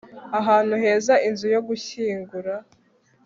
ahantu heza Inzu yo gushyingura